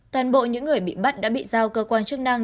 toàn bộ những người bị bắt đã bị giao cơ quan chức năng